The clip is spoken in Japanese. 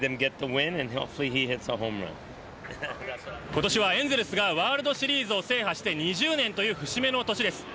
今年はエンゼルスがワールドシリーズを制覇して２０年という節目の年です。